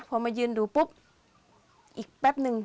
พอมายืนดูปุ๊บอีกแป๊บนึง